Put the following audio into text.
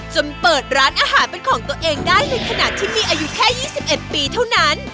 จนเปิดร้านอาหารเป็นของตัวเองได้ในขณะที่มีอายุแค่๒๑ปีเท่านั้น